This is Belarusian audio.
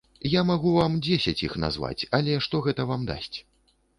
Я магу вам дзесяць іх назваць, але што гэта вам дасць?